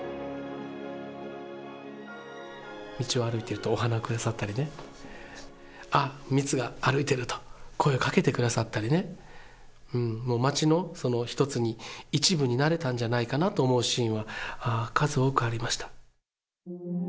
道を歩いてると、お花下さったりね、あっ、ミツが歩いてる！と、声をかけてくださったりね、もう街の一つに、一部になれたんじゃないかなと思うシーンは数多くありました。